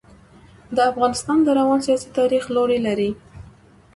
د افغانستان د روان سیاسي تاریخ لوړې لري.